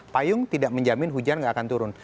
payung tidak menjamin hujan tidak akan turun